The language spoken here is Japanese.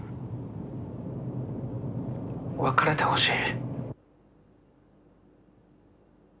別れてほしい。